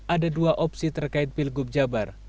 ada dua opsi terkait pilgub jabar